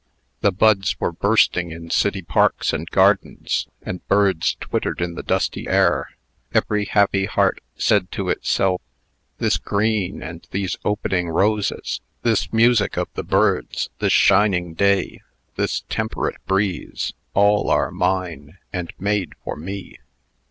The buds were bursting in city parks and gardens, and birds twittered in the dusty air. Every happy heart said to itself, "This green, and these opening roses, this music of the birds, this shining day, this temperate breeze, are all mine, and made for me."